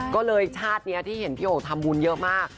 ก็เลยชาตินี้ที่เห็นพี่โอทำบุญเยอะมาก